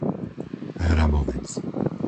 Hrabovec